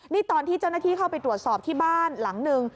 นี่ตอนที่เจ้าหน้าที่เข้าไปตรวจสอบที่บ้านหลังหนึ่ง